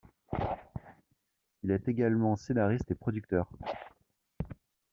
Il est également scénariste et producteur.